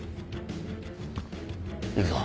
行くぞ。